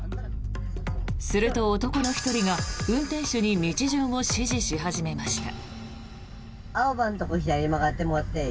すると、男の１人が、運転手に道順を指示し始めました。